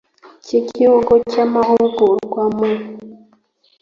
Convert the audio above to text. cy igihugu cy amahugurwa mu